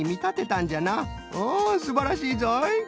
うんすばらしいぞい！